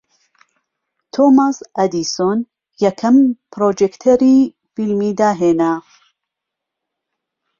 تۆماس ئەدیسۆن یەکەم پڕۆجێکتەری فیلمی داھێنا